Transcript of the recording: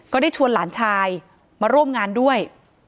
ก็ได้ชวนหลานชายมาร่วมงานด้วย